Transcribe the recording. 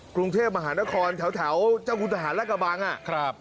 กรุงเทพมหานครแถวเจ้าคุณทหารและกระบังอ่ะครับ